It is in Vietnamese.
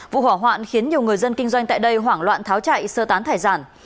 vụ hỏa hoạn khiến nhiều người dân kinh doanh tại đây hoảng loạn tháo chạy sơ tán thải sản